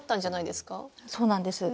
そうなんです。